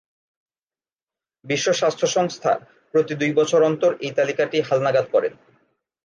বিশ্ব স্বাস্থ্য সংস্থা প্রতি দুই বছর অন্তর এই তালিকাটি হালনাগাদ করেন।